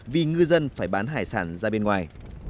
vì ngư dân phải bán hải sản ra bên ngoài